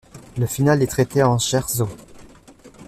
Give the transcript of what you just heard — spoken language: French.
Le finale est traité en scherzo.